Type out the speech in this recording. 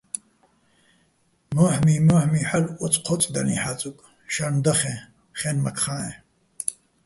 მო́ჰმი-მო́ჰ̦მი ჰ̦ალო̆ ოწჴო́წდალიჼ ჰ̦ა́წუკ, შარნ დახეჼ, ხე́ნმაქ ხა́ჸეჼ.